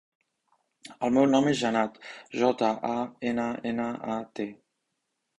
El meu nom és Jannat: jota, a, ena, ena, a, te.